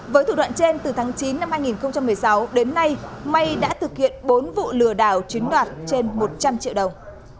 với thủ đoạn trên từ tháng chín năm hai nghìn một mươi sáu đến nay may đã thực hiện bốn vụ lừa đảo chiếm đoạt trên một trăm linh triệu đồng